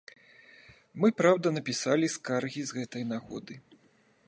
Мы, праўда, напісалі скаргі з гэтай нагоды.